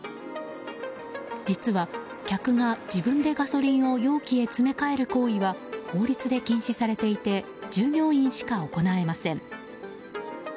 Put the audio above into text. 実は、客が自分でガソリンを容器へ詰め替える行為は法律で禁止されていて従業員しか行えません。